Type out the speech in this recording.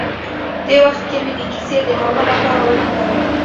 دې وخت کې مې د کیسې د نامه لپاره ولیکل.